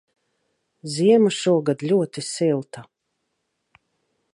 Ziema šogad ļoti silta.